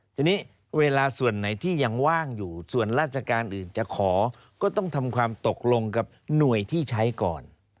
ทีนี้เวลาส่วนไหนที่ยังว่างอยู่ส่วนราชการอื่นจะขอก็ต้องทำความตกลงกับหน่วยที่ใช้ก่อน